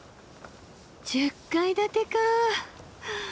１０階建てかあ。